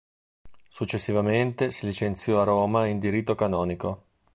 Successivamente si licenziò a Roma in Diritto Canonico.